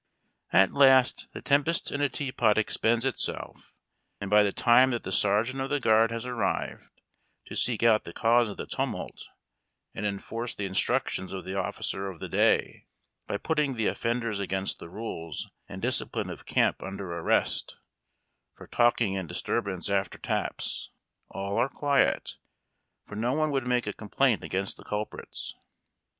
At last the tempest in a teapot expends itself and by the time that the sergeant of the guard lias arrived to seek out the cause of the tumult and enforce the instructions of the officer of the day by putting the offenders against the rules and discipline of camp under arrest, for talking and dis turbance after Taps, all are quiet, for no one would make a complaint against the culprits.